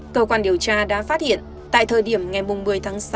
cơ quan điều tra đã phát hiện tại thời điểm ngày một mươi tháng sáu